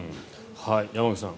山口さん